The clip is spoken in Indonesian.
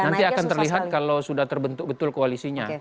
nanti akan terlihat kalau sudah terbentuk betul koalisinya